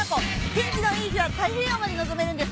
天気のいい日は太平洋まで望めるんです。